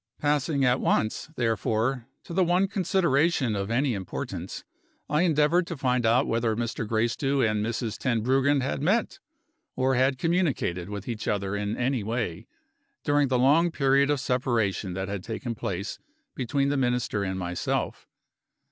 Passing at once, therefore, to the one consideration of any importance, I endeavored to find out whether Mr. Gracedieu and Mrs. Tenbruggen had met, or had communicated with each other in any way, during the long period of separation that had taken place between the Minister and myself.